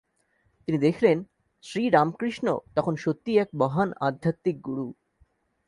তিনি দেখলেন, শ্রীরামকৃষ্ণ তখন সত্যিই এক মহান আধ্যাত্মিক গুরু।